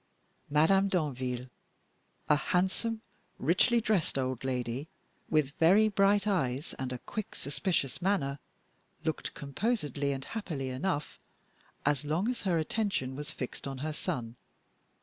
Madame Danville a handsome, richly dressed old lady, with very bright eyes, and a quick, suspicious manner looked composedly and happily enough, as long as her attention was fixed on her son.